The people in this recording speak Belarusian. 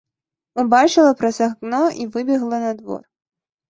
Убачыла праз акно і выбегла на двор.